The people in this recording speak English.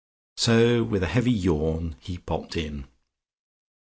So with a heavy yawn he popped in.